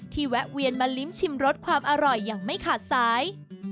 แวะเวียนมาลิ้มชิมรสความอร่อยอย่างไม่ขาดสาย